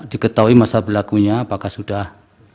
diketahui masa berlakunya apakah sudah